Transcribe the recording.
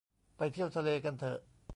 ไปเที่ยวทะเลกันเถอะ